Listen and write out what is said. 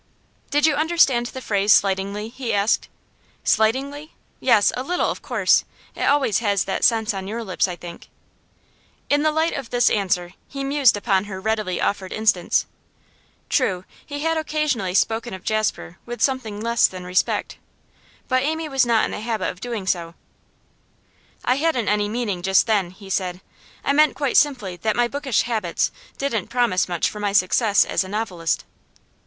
'Did you understand the phrase slightingly?' he asked. 'Slightingly? Yes, a little, of course. It always has that sense on your lips, I think.' In the light of this answer he mused upon her readily offered instance. True, he had occasionally spoken of Jasper with something less than respect, but Amy was not in the habit of doing so. 'I hadn't any such meaning just then,' he said. 'I meant quite simply that my bookish habits didn't promise much for my success as a novelist.